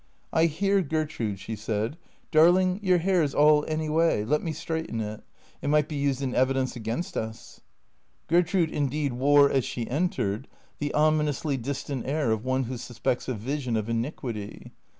" I hear Gertrude," she said. " Darling, your hair 's all any way. Let me straighten it. It might be used in evidence against us." Gertrude indeed wore as she entered the ominously distant air of one who suspects a vision of iniquity.